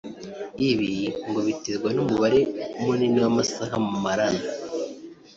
Ibi ngo biterwa n’umubare munini w’amasaha mumarana